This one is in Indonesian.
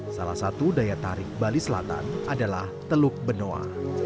salah satu daya tarik bali selatan adalah teluk benoa